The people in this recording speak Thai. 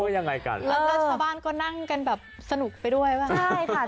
แล้วชาวบ้านก็นั่งกันแบบสนุกไปด้วยบ้าง